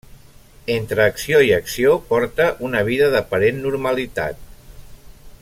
Entre acció i acció porta una vida d'aparent normalitat.